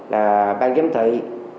là ban kiếm thị